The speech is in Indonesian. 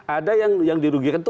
ada yang dirugikan itu